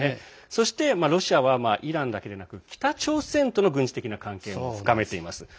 そして、ロシアはイランだけでなく北朝鮮との軍事的な関係も深めています。